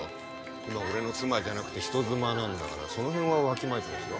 今は俺の妻じゃなくて人妻なんだからその辺はわきまえてますよ